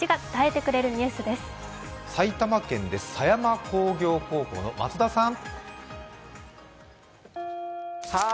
埼玉県です、狭山工業高校の松田さん。